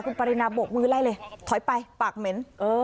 คุณปรินาบกมือไล่เลยถอยไปปากเหม็น